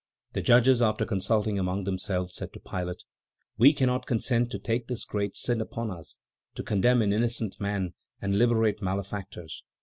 The judges, after consulting among themselves, said to Pilate: "We cannot consent to take this great sin upon us, to condemn an innocent man and liberate malefactors.